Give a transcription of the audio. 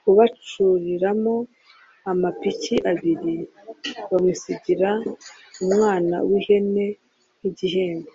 kubacuriramo amapiki abiri. Bamusigira umwana w’ihene nk’igihembo.